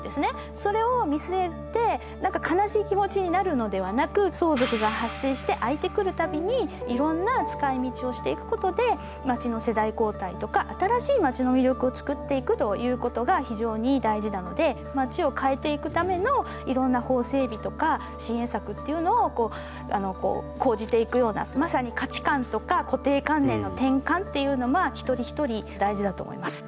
それを見据えて何か悲しい気持ちになるのではなく相続が発生して空いてくる度にいろんな使いみちをしていくことで街の世代交代とか新しい街の魅力をつくっていくということが非常に大事なので街を変えていくためのいろんな法整備とか支援策っていうのを講じていくようなまさに価値観とか固定観念の転換っていうのは一人一人大事だと思います。